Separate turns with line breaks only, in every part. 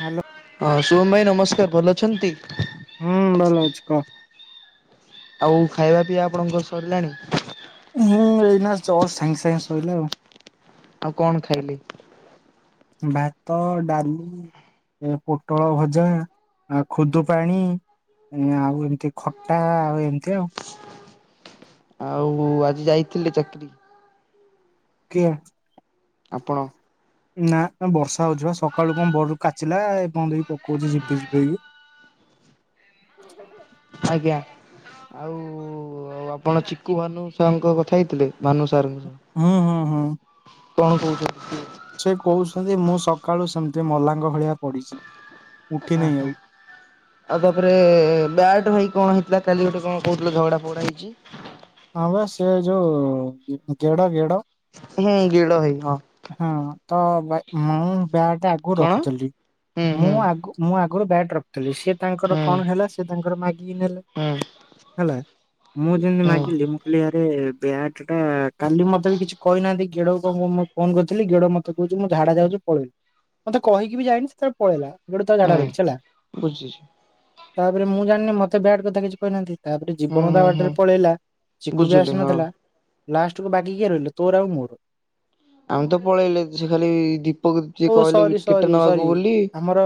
Hello
ହଁ ଶୁଭମ ଭାଇ ନମସ୍କାର ଭଲ ଅଛନ୍ତି?
ହୁଁ ଭଲ ଅଛି କହ?
ଆଉ ଖାଇବା ପିଇବା ଆପଣଙ୍କର ସରିଲାଣି?
ହୁଁ ଏଇନା ଜଟ୍ ସାଙ୍ଗେ ସାଙ୍ଗେ ଶଇଲା ଆଉ।
ଆଉ କଣ ଖାଇଲେ?
ଭାତ ଡାଲି ଏ ପୋଟଳ ଭଜା। ଆଉ ଖୁଦୁ ପାାଣି ଆଉ ଏମିତି ଖଟା ଆଉ ଏମିତି ଆଉ।
ଆଉ ଆଜି ଯାଇଥିଲେ ଚାକିରିକି
କିଆ।
ଆପଣ
ନା ବର୍ଷା ହଉଛିିବା ସକାଳୁ କଣ ବର କାଚିଲା ଏପଜନ୍ତେ ପକଉଛି ଜିପି ଜିପି ହେଇକି।
ଆଜ୍ଞା ଆଉ ଆପଣ ଚିକୁ ଭାନୁ ସାଙ୍କ କଥା ହେଇଥିଲେ? ଭାନୁ ସାରଙ୍କ ସହ?
ହୁଁ ହୁଁ ହୁଁ।
କଣ କହୁଛ?
ସେ କହୁଛନ୍ତି ମୁଁ ସକାଳୁ ସେମିତି ମଲାଙ୍ଗ ଭଳିଆ ପଡିଚି।
ଏ ହଁ ହଁ ଆଉ ତାପରେ ବ୍ୟା ଭାଇ କଣ ହେଇଥିଲା କାଲି ଗୋଟେ କଣ କହୁଥିଲ ଝଗଡା ଫଗଡା ହେଇଚି।
ହଁ ବା ସେ ଯୋଉ ଗେଡ ଗେଡ୍ ମ
[unintelligible]
ହଁ ତ ଭା ମୁଁ ବ୍ୟାଟ ଆଗୁରୁ
କଣ
ରଖୁଥିଲି।
ହୁଁ ହୁଁ
ମୁଁ ଆଗୁ ମୁଁ ଆଗ ଗୋଟ ବ୍ୟାଟ ରଖିଥିଲି ସିଏ ତାଙ୍କର
ହୁଁ
କଣ ହେଲା ସେ ତାଙ୍କର ମାଗିକି ନେଲେ
ହୁଁ
ହେଲା। ମୁଁ ଯେଏନ୍ତି
ହୁଁ।
କହିଲି ଆରେ ବ୍ୟାଟ ଟା କାଲି ମତେ ବି କିଛି କହିନାହାନ୍ତି ଗେଡକୁ କଣ ମୁଁ ଫୋନ କରିଥିଲି ଗେଡ କହୁଚି ମୁଁ ଝାଡା ଯାଉଛି ପଳେଇବି ମତେ କହିକି ବି ଯାଇନି ସେତାର ପଳେଇଲା। ଗୋଟେଥର ଝଡା
ହୁଁ
ଦେଖିଛି ହେଲା।
ବୁଝିଛି
ତାପରେ ମୁଁ ଜାଣିନି ମତେ ବ୍ୟାଟ କଥା କିଛି କହିନାହାନ୍ତି ତାପରେ
ହୁଁ
ଜୀବନ ତା
ହୁଁ ହୁଁ
ବାଟରେ ପଳେଇଲା। ଚିଖୁ ବି
ବୁଝିଲି ହଁ।
ଆସିନଥିଲା ଲାଷ୍ଟକୁ ବାକି କିଏ ରହିଲେ ତୋର ଆଉ ମୋର।
ଆମେ ତ ପଳେଇଲେ ସେ ଖାଲି ଦୀପକିଏ
ଓ ସରି
କହିଲେଚିକିଟ
ସରି ସରି।
ନବାକୁ ବୋଲି।
ଆମର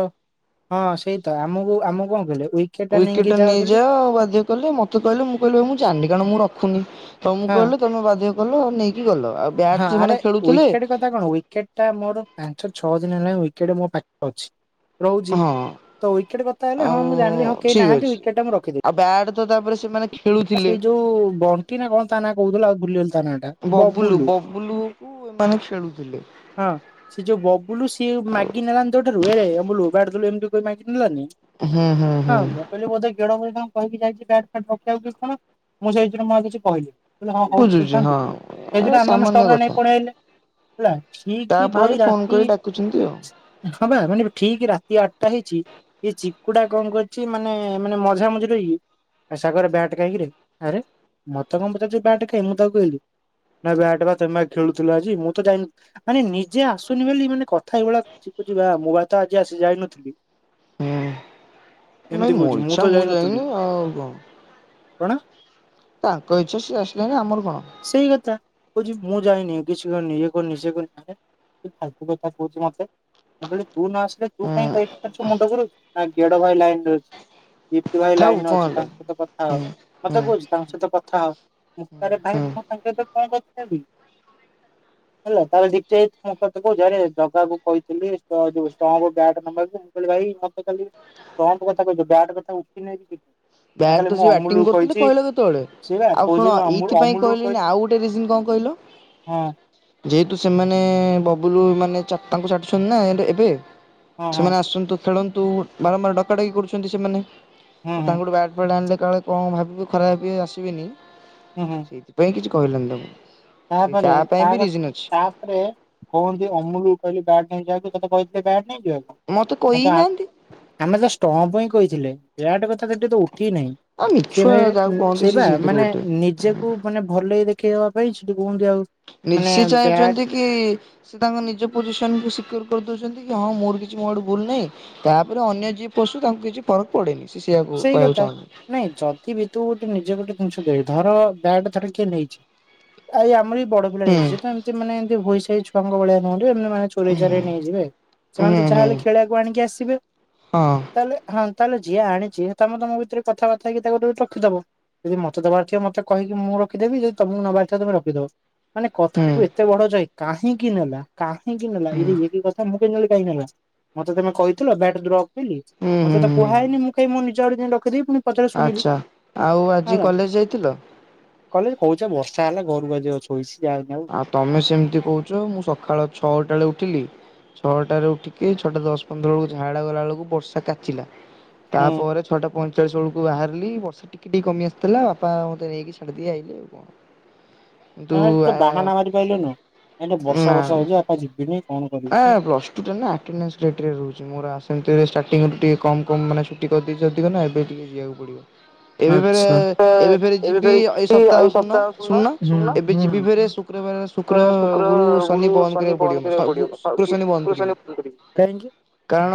ହଁ ସେଇ ତ ଆମକୁ ଆମକୁ କଣ କ
ୱିକେଟ ନେଇଯାଅ ବାଧ୍ୟ କହିଲେ ମତେ କହିଲେ ମୁଁ କହିଲି ମୁଁ ଜାଣିଲି କାରଣ ମୁଁ ରଖୁନି। ତମକୁ
ହଁ
କହିଲୁ ତମ ବାଧ୍ୟ କଲ। ଗଲ ଆଉ ବ୍ୟାଟ
ହଁ
ସେମାନେ
ଆରେ
ଖେଳୁଥିଲେ
ୱିକେଟ କଥା କଣ ୱିକେଟ ଟା ମୋର ପାଞ୍ଚ ଛଅ ଦିନ ହେଲାନି ୱିକେଟ ମୋ ପାଖ ଅଛି। ରହୁଚି
ହଁ
ତ ୱିକେଟ କଥା ହେଲେ ହଁ
ଆଉ
ମୁଁ ଜାଣିଲି ହଁ କେହି
ଠିକ
ନାହାନ୍ତି
ଅଛି।
ୱିକେଟ ଟା ମୁଁ ରଖିଦେବି।
ଆଉ ବ୍ୟାଟ ତ ତାପରେ ସେମାନେ
ଆ
ଖେଳୁଥିଲେ
ସେଇ ଯୋଉ ବଣ୍ଟି ନା କଣ ତା ନା କହୁଥିଲା ଆଉ ଭୁଲି ତା ନା ଟା ବବୁଲୁ
କୁ ଏମାନେ ଖେଳୁଥିଲେ
ହଁ ସେ ଯୋଉ ବୁଲୁ ସିଏ ମାଗି ନେଲାନି ତୋ ଠାରୁ ଏରେ ଅମୁଲୋ ବ୍ୟାଟ ଦେଲୁ ଏମତି କହିକି ଶିଲାନି
ହୁଁ ହୁଁ ହୁଁ
ହଁ ମୁଁ କହିଲି ବୋଧେ ଗେଡ ବୋଲି ଙ୍କ କହିକି ଯାଇଥିବ। [unintelligible] ମୁଁ ସେଇଥିରୁ ମୁଁ ଆଉ କିଛି କହି ମୁଁ କହିଲି ହଁ ହଉ
ବୁଝୁଛି
ଖେଳୁଥାନ୍ତୁ
ହଁ ଏ
କାଇଯିନା ଆମେ ମାନେ
ସାମାନ୍ୟ
ଷ୍ଟମ ଉରା
କଥା
ନେଇକି ପଳେଇ ଆଇଲେ ହେଲା। ଠିକି
ତାପରେ
ଭାଇ
ଫୋନ
ରାତି
କରି ଡାକୁଛନ୍ତି ଆଉ
ହଁ ବା ମାନେ ଠିକ ରାତି ଆଟ ଟା ହେଇଚି ହିଚ କୁକୁଡା ଙ୍କ କରିଚି ମାନେ ମାନେ ମଝାମଝି ରହି ଆ ସାଗର ବ୍ୟାଟ୍ କାଇ କିରେ ଆରେ ମତେ ଙ୍କ ପଚାରୁଚୁ ବ୍ୟାଟ କାଇ ମୁଁ ତାକୁ କହିଲି। ନା ବ୍ୟାଟ ବା ତମେ ବା ଖେଳୁଥିଲ ଆଜି ମୁଁ ତ ଯାଇନି ଆରେ ନିଜେ ଆସୁନି ବୋଲି ମାନେ କଥା ଏଇଭଳିଆ କୁ ଯିବା ମୁଁ ବା ତ ଆଜି ଆସି ଯାଇନଥିଲି।
ହଁ। ନାଇଁ
ଏମିତି
ମୋ
କହୁଛି ତ
ଇଚ୍ଛା ମୁଁ
ଯାଇନଥିଲି
ଯାଇନି ଆଉ କ?
କଣ?
ଇଚ୍ଛା ସିଏ ଆସିଲେଣି ଆମର କଣ
ସେଇ କଥା କହୁଛି ମୁଁ ଯାଇନି। କିଛି କରିନୀ ଇଏ କରିନି ସିଏ କରିନି ଆରେ କି ଫଲତୁ କଥା କହୁଛି ମତେ ମୁଁ କହିଲି ତୁ ନ ଆସିଲେ ତୁ
ହୁଁ
କହିଁ କହିରୁଛୁ ମୁଣ୍ଡ କରୁଛୁ ନା ଗେଡ ଭାଇ ଲାଇନରେ ଅଛି। ଦପ୍ତି ଭାଇ
ଥାଉ
ଲାଇନ
କଣ
ଅଛି
ହେଲା।
ତାଙ୍କ ସହିତ କଥା
ହୁଁ
ହଉ ମତେ
ହୁଁ
କହୁଛି ତାଙ୍କ ସହିତ କଥା ହ। ମୁକ୍ତାରେ ଭାଇ
ହୁଁ
ମୁଁ ତାଙ୍କ ସହିତ କଣ କଥା ହେବି?
[inaudible]
ହେଲା ତାହେଲେ ଦଟା ମୁଁତେ କହୁଛି ଆରେ ଜଗା କୁ କହିଥିଲି ଷ୍ଟ ଯୋଉ ଷ୍ଟାମ୍ପ ବ୍ୟାଟ ନେବାକୁ ମୁ କହିଲି ଭାଇ ସେଇ ମତେ କାଲି ଟମ୍ପା କଥା କହିଛ ବ୍ୟାଟ କଥା ଉଠି ନେଇ ବି କିଛି। ନା
ବ୍ୟାଟ
ତାହେଲେ
ତ
ମୁଁ
ସେ ବ୍ୟାଟିଂ
ଅମୁଲକୁ
କରୁଥିଲେ
କହିଛି
କହିଲେ କେତେବେଳେ
ସିଏ ବା
ଆଉ
କହୁଛି
ଶୁଣ
ଅମୁ
ଏଇଥିପାଇଁ
ଅମୁଲକୁ
କହିଲେନି
କହିଲି
ଆଉ ଗୋଟେ ରିଜିନ କଣ କହିଲ?
ହଁ।
ଯେହେତୁ ସେମାନେ ବବୁଲୁ ମାନେ ଚାରଟାଙ୍କୁ ଛାଟୁଛନ୍ତି ନା ଏବେ।
ହଁ ହଁ
ସେମାନେ ଆସନ୍ତୁ ଖେଳନ୍ତୁ ବାରମ୍ବାର ଡକାଡକି କରୁଛନ୍ତି ସେମାନେ।
ହୁଁ ହୁଁ
ତାଙ୍କୁଠୁ ବ୍ୟାଡ଼୍ ଫେଟ ଆଣିଲେ କାଳେ କଣ ଭାବିବେ ଖରାପ ଭାବିବେ ଆସିବେନି
ହୁଁ ହୁଁ
ସେଇଥିପାଇଁ କିଛି କହିଲେନି ତାକୁ।
ତାପରେ ତା ତାପରେ କହନ୍ତି ଅମୁଲୁ କହିଲି ବାଡ ନେଇ ଯାହା ତତେ କହିଥିଲେ ବ୍ୟାଟ ନେଇ
ମତେ
ଯିବାକୁ
କହିନାହାନ୍ତି
ଆମେ ତ ଷ୍ଟପ ପାଇଁ କହିଥିଲେ। ବ୍ୟାଟ କଥା ତ ଏଠି। [unintelligible] ଠିକ୍ ନାଇଁ
ଆଉ
ସେ
ମିଛୁଆ ଯାହାକୁ
ଭାଇ
କହନ୍ତି
ସେଇ
ସେ
ବା
ସେଇଥିରୁ
ମାନେ
ଗୋଟେ।
ନିଜକୁ ମାନେ ଭଲେଇ ଦେଖେଇହବା ପାଇଁ ସେଠି କୁହନ୍ତି ଆଉ ମାନେ
ନିଶି
ବ୍ୟାଟ
ଚାହିଁଛନ୍ତି କି ସେ ତାଙ୍କ ନିଜ ପୋଜିସନ କୁ ସିକର କରି ଦଉଛନ୍ତି କି ହଁ ମୋର କିଛି ମୋ ଆଡୁ ଭୁଲ ନାହିଁ ତାପରେ ଅନ୍ୟ ଜିଏ ପଶୁ ତାଙ୍କୁ କିଛି ଫରକ ପଡେନି। ସେ ସେଇଆକୁ
ସେଇ
କହିବାକୁ
କଥା
ଚାହୁଁଛନ୍ତି।
ନାଇଁ ଯଦି ବି ତୁ ଗୋଟେ ନିଜେ ଗୋଟେ ଗୋଟେ ଜିନିସ ଦେଖେ ଧର ବ୍ୟାଟ ଧର କିଏ ନେଇଛି ଆଇ ଆମରି ବଡ ପିଲା ରହିଛି
ହୁଁ
ତ ଏମିତି ମାନେ ଏମତି ହୋଇସଇ ଛୁଆ ଙ୍କ ଭଳିଆ ନୁହନ୍ତି। ଏମତି ମାନେ ଚୋରଇ ଚାରେଇ ର ନେଇଯିବେ
ହୁଁ
ସେମାନେ ତ
ହୁଁ
ଯାହାହଲେ ଖେଳିବାକୁ ଆଣିକି ଆସିବେ।
ହଁ
ତାହେଲେ ହଁ ତାହେଲେ ଯିଏ ଆଣିଛି ତମେ ତମ ଭିତରେ କଥାବାର୍ତା ହେଇକି ତାକୁ ରଖିଦବ। ଯଦି ମତେଦବାରଥିବ ମତେ କହିି ମୁଁ ରଖିଦେବି ଯଦି ତମକୁ ନବାରଥିବ ତମେ ରଖିଦବ। ମାନେ କଥା
ହୁଁ
ଟାକୁ ଏତେ ବଡ ଯାଏ କାହିଁକି ନେଲା କାହିଁକି ନେଲା
ହୁଁ
ଏଇଠି ଇଏକି କଥା ମୁ [unintelligible] କାହିଁକି ମତେ ତମେ କହିଥିଲ ବ୍ୟାଟ ରଖ୍ ବୋଲି
ହୁଁ
ମତେ
ହୁଁ
ତ
ହୁଁ।
କୁହା ହେଇନି ମୁ ମୁଁ ନିଜ ଆଡୁ ଯାଇକି ଡକେଇ ଦେଇକି ପୁଣି
ଆଚ୍ଛା ଆଉ ଆଜି କଲେଜ ଯାଇଥିଲ?
କହିଲ କହୁଛ ବର୍ଷା ହେଲା ଘରୁ ବା ଯିବଛୋଇଛି।
ଆଉ ତମେ ସେମିତି କହୁଛ ମୁଁ ସକାଳ ଛଅଟା ବେଳେ ଉଠିଲି। ଛଅଟାରେ ଉଠିକି ଛଅଟା ଦଶ ପନ୍ଦର ବେଳକୁ ଝାଡ଼ା ଗଲା ବବେଳକୁ ବର୍ଷା କାଚିଲା।
ହୁଁ
ତାପରେ ଛଅଟା ପଇଁଚାଳିଶ ବେଳକୁ ବାହାରିଲି ବର୍ଷା ଟିକେ ଟିକେ କମି ଆସିଥିଲା ବାପା ମତେ ନେଇକି [unintelligible] କିନ୍ତୁ ଆ
ଖାନା ମାରି ପାଇଲୁନୁ। ଏଇନେ ବର୍ଷା
ନା
ବର୍ଷା ହଉଛି ବାପା ଯିବିନି କଣ
ଆ
କରିବି।
ପ୍ଲସ ଟୁ ରେ ନା ଆଟ୍ନାସ୍ ରେଟ୍ ରେ ରହୁଛି ମୋର। [unintelligible] [unintelligible] ଟିକେ କମ୍ ମାନେ ଛୁଟି କରିଦେଇଛି ଅଧିକ ନା ଏବେ ଟିକେ ଯିବାକୁ ପଡ଼ିବ। ଏବେ
ଆଚ୍ଛା।
ଫ ଏବେ ଫରେ ଯିବି
ଫେରେ
ଏଇ
ଅଛି
ସପ୍ତାହ ଶୁନ
ଶୁଣୁନ
ଶୁଣନ
ଶୁଣୁନ
ଏବେ ଯିବି ଫେରେ ଶୁକ୍ର ଶୁକ୍ର, ଗୁରୁ, ଶନି ବନ୍ଦ କରିବାକୁ ପଡିବ। ସ ଗୁ ଶୁକ୍ର ଶନି ବନ୍ଦ କରିବି। କାରଣ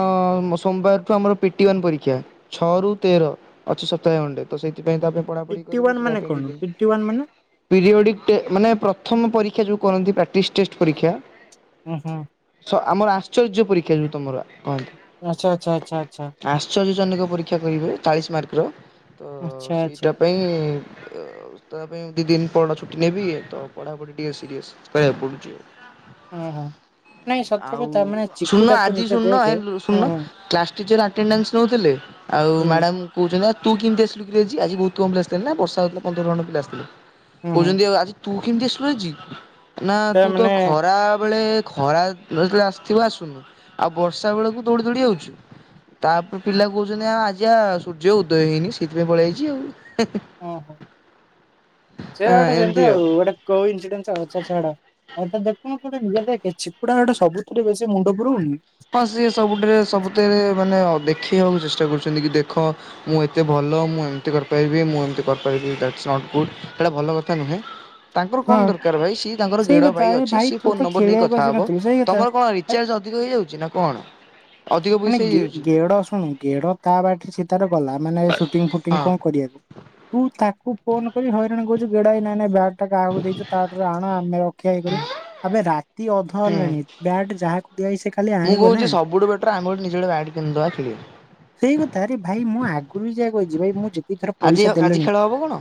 ସୋମବାରଠୁ ଆମର ପିଟି ୱନ୍ ପରୀକ୍ଷା ଛଅ ରୁ ତେର ଅଛି ସପ୍ତାହ ଘଣ୍ଣ୍ଡେ। ତ ସେଥିପାଇଁ ତା ପାଇଁ ପଢାପଢି
ପିଟି
କରିବି
ୱାନ
ତା
ମାନେ
ପାଇଁ
କଣ ପିଟି ୱାନ ମାନେ?
ପିରିଅଡି ଟେ ମାନେ ପ୍ର ପ୍ରଥମ ପରୀକ୍ଷା ଯୋଉ କରନ୍ତି ପ୍ରାଟିସ୍ ଟେଷ୍ଟ ପରୀକ୍ଷା
ହୁ ହୁଁ।
ସ ଆମର ଆଶ୍ଚର୍ଯ୍ୟ ପରୀକ୍ଷା ଯଉ ତମର। କହନ୍ତି
ଆଛା ଆଛା ଆଚ୍ଛା ଆଚ୍ଛା।
ଜନିକ ପରୀକ୍ଷା କହିବେ ଚାଳିଶ ମାର୍କର ତ
ଆଚ୍ଛା ଆଚ୍ଛା
ସେଇଟା ପାଇଁ ତା ପାଇଁ ଦି ଦିନ ପା ଛୁଟି ନେବି ତ ପଢାପଢି ଟିକେ ସିରିଅସକୁ ପଡୁଛି ଆଉ
ହୁଁ ହୁଁ
ଆଉ ଶୁନୁନ ଆଜି ଶୁନୁନ,
ହୁଁ
ଶୁଣୁନ
ହୁଁ
କଲାଦ ଆଉ
ହୁଁ
ମାଡ଼ାମ କହୁଛନ୍ତି। ତୁ କେମିତି ଆସିଲୁ କିରେ ଆଜି, ଆଜି ବହୁତ କମ ପିଲା ଆସିଥିଲେ ନା, ବର୍ଷାହଉଥିଲା ପନ୍ଦର ଜଣ ପିଲା ଆସିଥିଲେ,
ହୁଁ ହୁଁ।
କହୁଛନ୍ତି ଆଉ ଆ କେମିତି ଆସିଲୁ ଆଜି, ନା
ତା
ତୁ ତ
ମାନେ
ଖରା ବେଳେ ଖରା ଆସିଥିବ ଆସୁନୁ ଆଉ ବର୍ଷା ବେଳକୁ ଦୌଡି ଦୌଡି ଆଉଛୁ। ତାପରେ ପିଲା କହୁଛନ୍ତି ଆ ଆଜି ଆ ସୂର୍ଯ୍ୟ ଉଦୟ ହେଇନି, ସେଇଥିପାଇଁ ପଳେଇ ଆଇଛି ଆଉ
ଓହୋ, ସେ
ହଁ
ଗୋଟେ ସେମତି
ଏମିତି
ଆଉ ଗୋଟେ କୋଇନି ସିଡେଣ୍ଟ ଆଉ ଛାଡ। ଆଉ ଦେଖୁନ ଗୋଟେ ନୂଆ ପିଲା ଚିକୁଟା ଗୋଟେ ସବୁଥିରେ ବେଶି ମୁଣ୍ଡ ପୁରଉନି।
ହ ସିଏ ସବୁଠିରେ ସବୁଥିରେ ମାନେ ଦେଖ ଦେଖେଇବାକୁ ଚେଷ୍ଟା କରୁଛନ୍ତି କି -ଦେଖ ମୁଁ ଏତେ ଭଲ ମୁଁ ଏମିତି କରିପାରିବି ମୁଁ ଏମତି କରିପାରିବି। ସେଇଟା ଭଲ କଥା ନୁହେଁ। ତାଙ୍କର କଣ
ହଁ
ଦରକାର ଭାଇ ସିଏ ତାଙ୍କର
ସେଇ
ଗେଡ
କଥା
ଭାଇ
ଆରେ
ଅଛି, ସିଏ
ତୁ
ଫୋନ
ତ
ନମ୍ବର ନେଇ
ଖେଳିବାକୁ
କଥାହବ
ଆସିନଥିଲୁ ସେଇ କଥା।
ତମର କଣ
ଭାଇ
ରିଚାର୍ଜ ଅଧିକ ହେଇଯାଉଛି? ଜିିନା କଣ? ଅଧିକ
ମାନେ
ପଇସା ହେଇଯାଉଛି
ଗେଡ ଶୁଣୁ ଗେଢ ତା ବାଟରେ, ସେ ତାର ଗଲା ମାନେ ସୁଟିଙ୍ଗ ଫୁଟିଙ୍ଗ
ହଁ
କଣ କରିବାକୁ, ତୁ ତାକୁ ଫୋନ କରି ହଇରାଣ କରଛୁ ଗେଡଭାଇ ନାଇଁ ନାଇଁ ବ୍ୟାଟଟା କାହାକୁ ଦେଇଛ, ତାଠାରୁ ଆଣ, ଆମେ ରଖିବା ଇଏକରିବା। ଆବେ ରାତି ଅଧ
ହୁଁ।
ହେଲାଣି, ବ୍ୟାଟ ଯାହାକୁ ଦିଆ ହେଇଛି ସେ କାଲି
ମୁଁ
ଆଣିବ
କହୁଛି
ନା।
ସବୁଠୁ ବେଟର ଆମେ ଗୋଟେ ନିଜେ ଗୋଟେ ବ୍ୟାଟ୍ କିଣିଦବା ଖେଳିବା
ସେଇ କଥା ଆରେ ଭାଇ ମୁଁ ଆଗରୁ ବି ଯାହା କହୁଛି ଯିବାଇ ମୁଁ ଯେତିକି ଥର
ଆଜି
ପଇସା
ଆଜି
ଦେଲିଣି,
ଖେଳ ହବ କଣ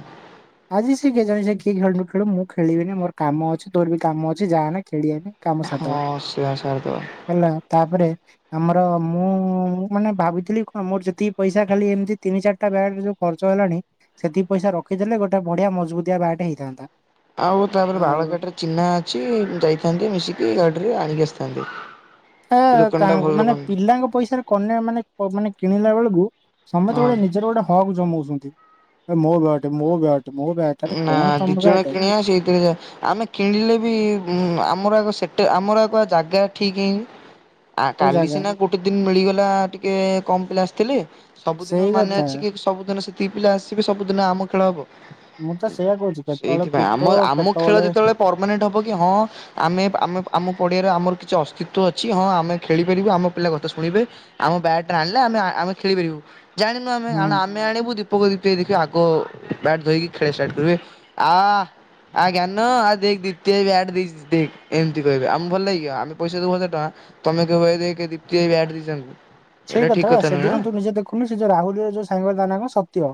ଆଜି ସେ କିଏ ଜଣ କିଏ ଖେଳନୁ ଖେଳୁ ମୁଁ ଖେଳିବିନି, ମୋର କାମ ଅଛି ତୋର ବି କାମ ଅଛି ଯାହା ଖେଳିଆନି କାମ
ହଁ
ସାରିଦେବା
ସେୟା ସାରିଦବା।
ହେଲା, ତାପରେ ଆମର ମୁଁ ମାନେ ଭାବିଥିଲି କଣ ମୋର ଯେତିକି ପଇସା ଖାଲି ଏମିତି ତିନି ଚାରିଟା ବ୍ୟାଟ ଯୋଉ ଖର୍ଚ୍ଚ କଲାଣି ସେତିକି ପଇସା ରଖି ଦେଲେ ଗୋଟେ ବଢିଆ ମଜବୁତିଆ ବ୍ୟାଟ ହେଇଥାନ୍ତା।
ଆଉ ତାପରେ
ଆଉ
ବାଳକାଟିରେ ଚିହ୍ନା ଅଛି, ଯାଇଥାନ୍ତି ମିଶିକି ଗାଡିରେ ଆଣିକି ଆସି- [unintelligible]
ତା ମାନେ ପିଲାଙ୍କ ପଇସାରେ କନ୍ୟା ମାନେ କିଣିଲା ବେଳକୁ ସମତେ
ହଁ
ଗୋଟେ ନିଜର ଗୋଟେ ହକ ଜମଉଛନ୍ତି ଏ ମୋ ବ୍ୟାଟ ମୋ ବ୍ୟାଟେ
ନା ଦି ଜଣ କିଣିବା ସେଇଥିରେ ଯା ଆମେ କିଣିଲେ ବି ଆମର ଆଗ ସେଠ ଆମର ଜାଗା ଠିକ, ଆ
କୋଉ
କାଲି
ଜାଗା?
ସିନା ଗୋଟେ ଦିନ ମିଳିଗଲା ଟିକେ କମ ପିଲା ଆସିଥିଲେ, ସବୁଦିନ
ସେଇ
ମାନେ
କଥା
ଅଛି କି ସବୁଦିନ ସେତିକି ପିଲା ଆସିବେ, ସବୁଦିନ ଆମ ଖେଳ ହବ।
ମୁଁ ତ ସେଇଆ କହୁଛି କେତେବେଳେ
ସେଇଥିପାଇଁ
କୁତ
ଆମ ଆମ ଖେଳ
କେତେବେଳେ
ଯେତେବେଳେ ପରମାନେଣ୍ଟ ହବ କି ହଁ ଆମେ ଆମେ ଆମ ପଡ଼ିଆରେ ଆମର କିଛି ଅସ୍ତିତ୍ବ ଅଛି, ହଁ ଆମେ ଖେଳିପାରିବୁ ଆମ ପିଲା କଥା ଶୁଣିବେ, ଆମ ବ୍ୟାଟରେ ଆଣିଲେ ଆମେ ଆମେ ଖେଳିପାରିବୁ ଜାଣିନୁ ଆମେ ଆ
ହୁଁ।
ଆମେ ଆଣିବୁ ଦୀପକ ଦୀପ ଦେଖିବୁ ଆଗ ବ୍ୟାଟ୍ ଧରକି ଷ୍ଟାଟ କରିବେ ଆ ଆଜ୍ଞା ନ ଆଉ ଦେଖ ଦ୍ୱିତି ଭାଇ ବ୍ୟାଟ ଦେଇଛି ଦେଖ, ଏମିତି କହିବେ ଆମକୁ ଭଲ ଲାଗିବ, ଆମେ ପଇସା ଦବୁ ହଜାର ଟଙ୍କା। ତମେ କହିବ ହେଇ ଦେଖେ ଦିପ୍ତି ଭାଇ ବ୍ୟାଟ ଦେଇଛନ୍ତି।
ସେଇ କଥା ବା ସେଦିନ ତୁ ନିଜେ ଦେଖୁନୁ ସେ ଯଉ ରାହୁଲରେ ଯୋଉ ସାଙ୍ଗ ତା ନା କଣ ସତ୍ୟ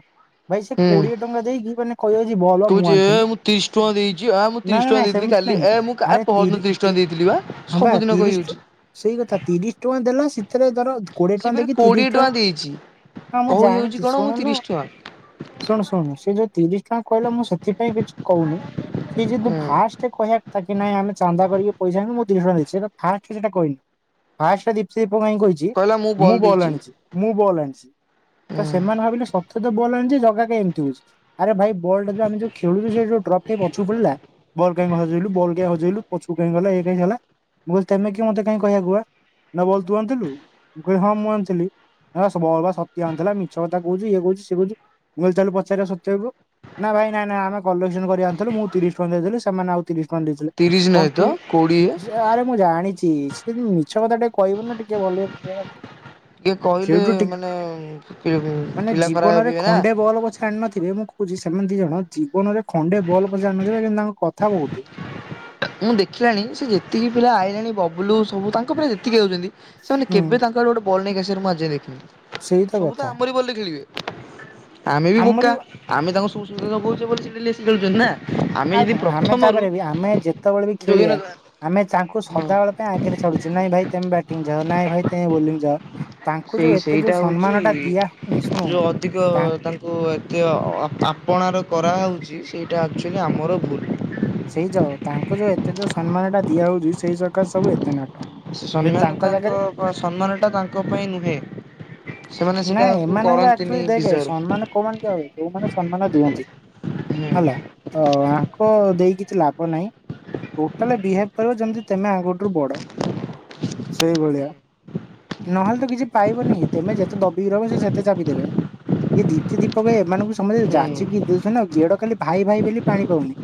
ଭାଇ ସେ
ହୁଁ।
କୋଡିଏ ଟଙ୍କା ଦେଇକି ମାନେ କହିବଜେ ବଲ ମୁଁ
କହୁଛି ଏ
ଆଣିଥିଲି
ତିରିଶ ଟଙ୍କା ଦେଇଛି ଆ ମୁଁ ତିରିଶ
ନାଇ
ଟଙ୍କା
ନାଇଁ ସେ
ଦେଇଥିଲି କାଲି
ନଁ
ଏ ମୁଁ ପହରଦିନ ତିରିଶ ଟଙ୍କା ଦେଇଥିଲି ବା।
ଆରେଶ
ସବୁଦିନ କହିହଉଛି
ତିରିଶ ସେଇ କଥା ତିରିଶ ଟଙ୍କା ଦେଲା ସେଥିରେ ଧର କୋଡି ଏ
ସେ
ଟଙ୍କା
ଫେରେ
ଦେଖି ତିରିଶ
କୋଡିଏ
ଟଙ୍କା
ଦେଇଛି।
ହଁ ମୁଁ
କହିହଉଛି
ଜାଣିଛି
କଣ ମୁଁ
ଶୁଣିନୁ
ତିରିଶ ଟଙ୍କା
ଶୁଣ ଶୁଣ ସେ ଯୋଉ ତିରିଶ ଟଙ୍କା କହିଲା ମୁଁ ସେଥିପାଇଁ କିଛି କହୁନି। ସେ [unintelligible]
ହୁଁ
ଫାଷ୍ଟ କହିବା କଥା କି ନାଇ ଆମେ ଚାନ୍ଦା କରିକି ପଇସା ଆଣିବୁ। ଶୁଣ ଭାଇ ସେଟା ଫାଷ୍ଟ କହିଛି। [unintelligible] ମୁଁ ବଲ୍ ଆଣିଛି, ମୁଁ ବଲ୍ ଆଣିଛି
ହୁଁ।
ତ ସେମାନେ ଭାବିଲେ ସ ସେ ତ ବଲ ଆଣିଚି, ଜଗା କାଇଁ ଏମିତି ହଉଛି। ଆରେ ଭାଇ ବଲ୍ ଟା ଯଉ ଆମ ଯଉ ଖେଳୁ ସେ ଯଉଡ୍ରପ୍ ପଛ ପଡିଲା ବଲ କାଇ ହଜେଇଲୁଲ କ ହଜେଇଲୁ ପଛକୁ କାଇହିଁ ଗଲା ଏ କାହିଁ ହେଲା, ମୁଁ କହିଲି ତମେ କିଏ ମତେ କାହିଁ କହିବାକୁ କୁ ବଲ ତୁ ଆଣିଥିଲୁ? ଗୁହମ୍ ମୁଁ ଆଣିଥିଲି। ଆ ସବୁ ଅବା ସତ୍ୟା ଆଣିଥିଲା ମିଛ କଥା କଉଚି ଇଏ କଉଚି ସିଏ କଉଚି ମୁଁ କଇଲି ଚାଲ ପଚାରିବା ସତ୍ୟ କୁ। ନାଁ ଭାଇ ନାଁ ନାଁ ଆମେ କଲେକ୍ସନ କରି ଆଣିଥିଲୁ ମୁଁ ତିରିଶ ଟଙ୍କା ଦେଇଥିଲି ସେମାନେ ଆଉ ତିରିଶ ତାଙ୍କ ଦେଇଥିଲେ
ତିରିଶ ନୁହେଁ
କଣ
ତ
ତୁ?
କୋଡିଏ।
ସେ ଆରେ ମୁଁ ଜାଣିଛି ସେ ବି ମିଛ କଥା ଟେ କହିବୁ ନା ଟିକେ ଭଲେ ହବାକୁ।
ଟିକେ କହିଲେ
ସେଠୁ ଟିକ
ମାନେ
ମାନେ
ପିଲା ଖରାପ
ଜୀବନରେ
ଭାବିବେ ନା।
ଖଣ୍ଡେ ବଲ ପଛେ ଆଣି ନଥିବେ ମୁଁ କଉଚି ସେମାନେ ଦି ଜଣ ଜୀବନରେ ଖଣ୍ଡେ ଭଲ ପଛେ଼ ଆଣି ନଥିବେ କିନ୍ତୁ ତାଙ୍କ କଥା ବହୁତ।
ମୁଁ ଦେଖିଲାଣି ସେ ଯେତିକି ପିଲା ଆଇଲେଣି ବବୁଲୁ ସବୁ ତାଙ୍କ ପୁରା ଲେଖିକି ଦ। ସେମାନେ
ହୁଁ
କେବେ ତାଙ୍କ ଆଡେ ଗୋଟେ ବଲ୍ ନେଇ ଆସିବାରେ ମୁଁ ଆଜି ଦେଖିନି
ସେଇ
ସବୁ ତ
କଥା
ଆମରି ବଲ ରେ ଖେଳିବେ ଆମେ ବି ବୋକା
ଆମରି
ଆମେ ତାଙ୍କୁ ସୁ ସୁଧଉଛେ [unintelligible] ଖଳୁଛନ୍ତି ନା ଆମେ
ଆଉ
ଯଦି
ଘ ଆମେ
ପ୍ରଥମରୁ
ତାପରେ ବି ଆମେ ଯେତେ ଯେତେବେଳେ
ଯୋଗେଇ
ଖେଳିବା
ନଦବା
ଆମେ ଚାଙ୍କୁ
ହଁ
ସଦାବେଳେ ପାଇଁ ଆଗରେ ଛାଡୁଚେ ନାଇଁ ଭାଇ ତମେ ବ୍ୟାଟିଂ ଜ ନାଇଁ ଭାଇ ତମେ ବୋଲିଙ୍ଗ ଯାଅ ତାଙ୍କୁ ଯଉ ଏତେ ଯୋଉ ସମ୍ମାନ ଟା ଦିଆ ହଉନି ଶୁଣୁ
ଯେଉଁ ଅଧିକ
ତା
ତାଙ୍କୁ ଏତେ ଅ ଆପଣାର କରାହେଉଛି ସେଇ ଏଇଟା ଆକ୍ଚୁଆଲି ଆମର ଭୁଲ
ସେଇ ଯଅ ତାଙ୍କୁ ଯୋଉ ଏତେ ଯୋଉ ସମ୍ମାନ ଟା ଦିଆ ହଉଛି ସେଇସ
ସମ୍ମାନ
ଜାଗାରେ
ତାଙ୍କ ସମ୍ମାନଟା ତାଙ୍କ ପାଇଁ ନୁହେଁ ସେମାନେ
ନାଇଁ
ସେଟାକୁ
ଏମାନଙ୍କ
କରନ୍ତିନି
ଏକ୍ଟୁଆଲି ଦେଖେ
ଡିଜର୍ଭ
ସମ୍ମାନ କଉମାନେ ଦିଆହୁଏ ଯୋଉମାନେ ସମ୍ମାନ ଦିଅନ୍ତି।
ହୁଁ
ହେଲା ତ ଆଙ୍କ ଦେଇ କିଛି ଲାଭ ନାହିଁ ଟୋଟାଲ ବିହେଭ କରିବ ଯେମୀତି ତମେ ଆଙ୍କଠୁ ବଡ ସେଇଭଳିଆ ନହେଲେ ତ କିଛି ପାଇବନି ହେ ତମେ ଯେତେ ତ ଦବିକି ରହିବ ସେତେ ଚାପି ଦେବେ ଇଏ ଦିତି ଦୀପକ ଏମାନଙ୍କୁ ସମସ୍ତେ
ହୁଁ
ଯାଚିକି ଦଉଛନ୍ତି ଗେଡ ଖାଲି ଭାଇ ଭାଇ ବୋଲି ପାଣି ପାଉନି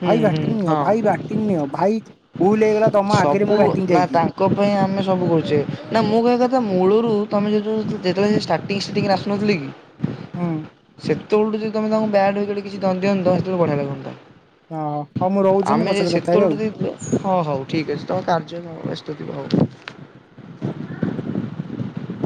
ହୁଁ
ଭାଇ
ହୁଁ
ବାଟିଂ ନିଅ
ହଁ।
ଭାଇ ବାଟିଂ ନିଅ ଭାଇ ଭୁଲ ହେଇଗଲା ତ
ସବୁ ନା ତାଙ୍କ ପାଇଁ ଆମେ ସବୁ କରୁଛେ ନା ମୁଁ କହିବା କଥା ମୂଳରୁ ତମେ ଯଦି ଉ ଯେତେବେଳେ ସେ ଷ୍ଟାର୍ଟିଂ ଟିଂରେ ଆସୁନଥିଲ କି
ହୁଁ
ସେତେବେଳ ଠୁ ଯଦି ତମେ ତା ବ୍ୟାଟ୍ ୱିକେଟ୍ କିଛି ଧଦିଅନ୍ତ ସେତେବେଳେ ବଢିଆ ଲାଗନ୍ତା
ଓ ହଉ ମୁଁ ରହୁଛି ମୁଁ
ଆମେ
ପଛରେ କଥା ହେବି
ସେତେବେଳଠୁ
ଆଉ
ଦେଇଥିଲେ ହଁ ହଉ ଠିକ୍ ଅଛି ତମ କାର୍ଯ୍ୟ ବ୍ୟସ୍ତ ଥିବ ହଉ